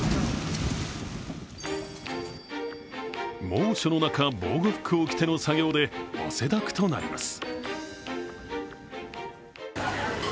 猛暑の中、防護服を着ての作業で汗だくとなります。